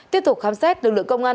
tiếp tục khám xét lực lượng công an